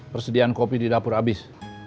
persediaan kopi di dapur habis